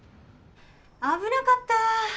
危なかった。